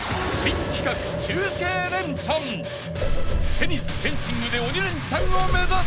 ［テニスフェンシングで鬼レンチャンを目指せ！］